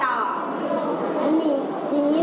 จริงผมก็คิดว่าครูเบิร์ตไม่ยอมให้จะก้อครู